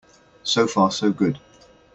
So far so good.